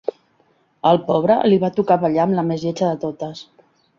Al pobre li va tocar ballar amb la més lletja de totes